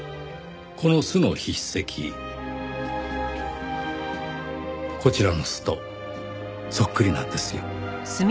この「す」の筆跡こちらの「す」とそっくりなんですよ。